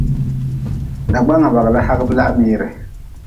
Dagbanga bagli hagʼbe laa miri.